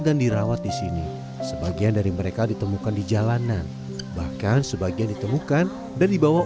dan dirawat di sini sebagian dari mereka ditemukan di jalanan bahkan sebagian ditemukan dan dibawa